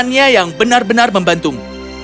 bukannya yang benar benar membantumu